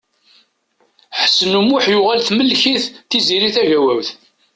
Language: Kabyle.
Ḥsen U Muḥ yuɣal temmlek-it Tiziri Tagawawt.